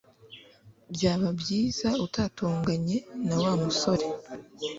Byaba byiza utatonganye na Wa musore